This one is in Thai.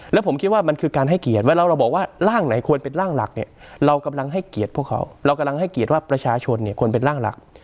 แล้วผมคิดว่ามันคือการให้เกียรติเวลาเราบอกว่าร่างไหนควรเป็นร่างหลักเนี่ยเรากำลังให้เกียรติพวกเขาเรากำลังให้เกียรติว่าประชาชนเนี่ยควรเป็นร่างหลัก